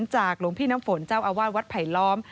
จากหลวงพี่น้ำฝนเจ้าอาวาสวัดไผลล้อม